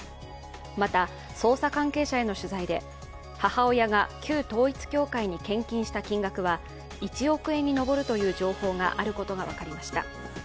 また、捜査関係者への取材で、母親が旧統一教会に献金した金額は１億円に上るという情報があることが分かりました。